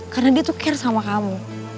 karena dia tuh care sama kamu